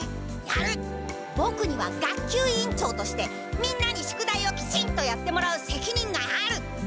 ボクには学級委員長としてみんなに宿題をきちんとやってもらうせきにんがある！